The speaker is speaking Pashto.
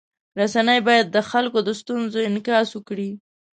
رسنۍ باید د خلکو د ستونزو انعکاس وکړي.